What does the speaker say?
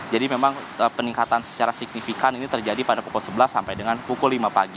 jadi memang peningkatan secara signifikan ini terjadi pada pukul sebelas sampai dengan pukul lima pagi